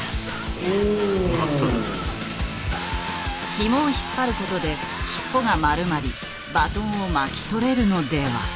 ひもを引っ張ることで尻尾が丸まりバトンを巻き取れるのでは。